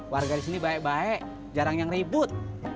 warga di sini baik baik jarang yang ribut